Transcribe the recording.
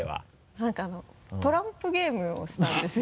なんかトランプゲームをしたんですよ。